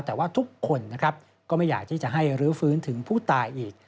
แต่ว่าทุกคนนะครับก็ไม่อยากที่จะให้รื้อฟื้นถึงผู้ตายอีก